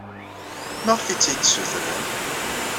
Maɣef ay tt-id-tessutrem?